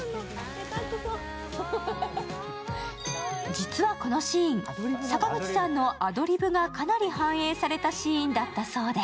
実はこのシーン、坂口さんのアドリブがかなり反映されたシーンだったそうで。